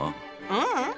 ううん。